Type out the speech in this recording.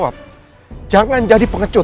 apa rabbimny ah